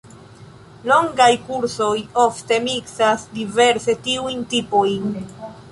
Longaj kursoj ofte miksas diverse tiujn tipojn.